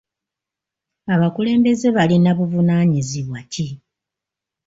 Abakulembeze balina buvunaanyizibwa ki?